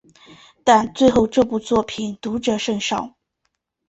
但最后这部作品读者甚少。